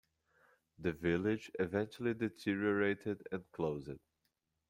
The village eventually deteriorated and closed.